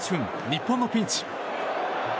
日本のピンチ。